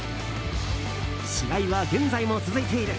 試合は、現在も続いている。